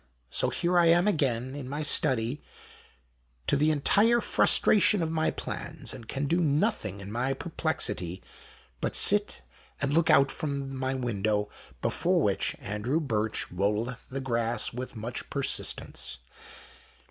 So here I am again in my study to the entire 14 THE MATT WITH THE ROLLER. frustration of my plans, and can do nothing in my perplexity but sit and look out from my window, before which Andrew Birch roUeth the grass with much persistence.